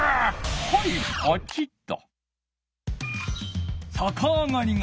はいポチッと。